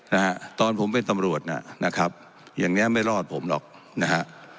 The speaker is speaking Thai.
นะฮะตอนผมเป็นตำรวจน่ะนะครับอย่างเนี้ยไม่รอดผมหรอกนะฮะ